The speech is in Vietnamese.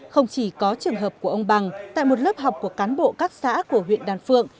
không chỉ có trường hợp của ông bằng tại một lớp học của cán bộ các xã của huyện đan phượng